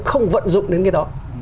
không vận dụng đến cái đó